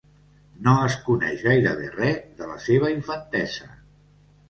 No es coneix gairebé res de la seva infantesa.